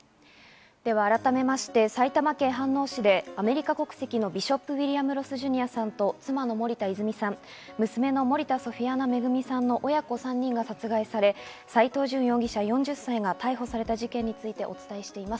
改めて埼玉県飯能市でアメリカ国籍のビショップ・ウィリアム・ロス・ジュニアさんと妻の森田泉さん、娘の森田ソフィアナ恵さんの親子３人が殺害され、斎藤淳容疑者、４０歳が逮捕された事件についてお伝えしています。